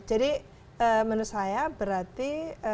jadi menurut saya berarti